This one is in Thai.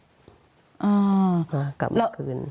มากลับมาคืน